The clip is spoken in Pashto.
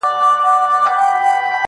له عطاره یې عطرونه رانیوله!!